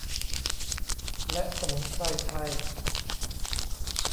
และสมุนไพรไทย